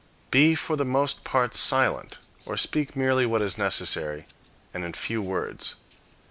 Be for the most part silent, or speak merely what is necessary, and in few words.